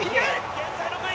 現在６位。